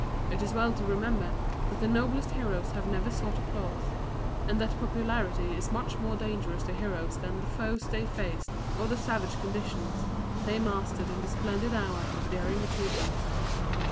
It is well to remember that the noblest heroes have never sought applause; and that popularity is much more dangerous to heroes than the foes they faced or the savage conditions they mastered in the splendid hour of daring achievement.